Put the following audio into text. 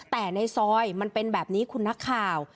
แต่ในซอยมันเป็นแบบนี้คุณนักข่าว